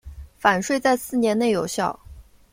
返税在四年内有效。